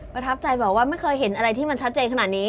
ประทับใจบอกว่าไม่เคยเห็นอะไรที่มันชัดเจนขนาดนี้